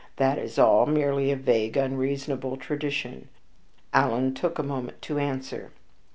That is all. Merely a vague, unreasonable tradition." Alan took a moment to answer.